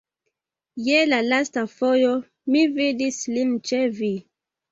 Je la lasta fojo mi vidis lin ĉe vi.